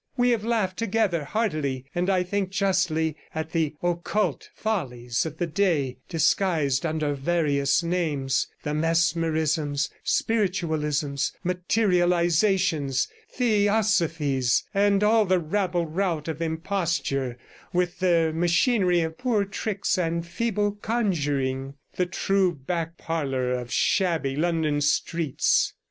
We have laughed together heartily, and I think justly, at the "occult" follies of the day, disguised under various names — the mesmerisms, spiritualisms, materializations, theosophies, all the rabble rout of imposture, with their machinery of poor tricks and feeble conjuring, the true back parlour of shabby London streets.